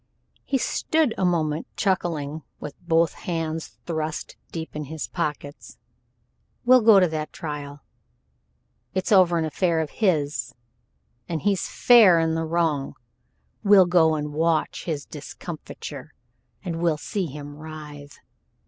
He stood a moment chuckling, with both hands thrust deep in his pockets. "We'll go to that trial it's over an affair of his, and he's fair in the wrong. We'll go and watch his discomfiture and we'll see him writhe.